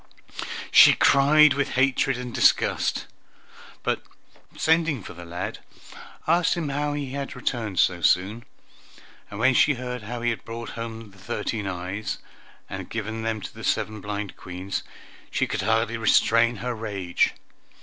She cried with hatred and disgust, but sending for the lad, asked him how he had returned so soon, and when she heard how he had brought home the thirteen eyes, and given them to the seven blind Queens, she could hardly restrain her rage.